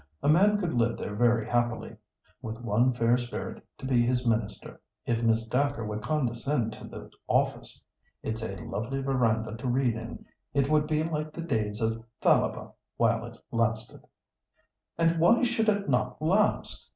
"A man could live there very happily, 'with one fair spirit to be his minister,' if Miss Dacre would condescend to the office. It's a lovely verandah to read in. It would be like the days of Thalaba, while it lasted." "And why should it not last?"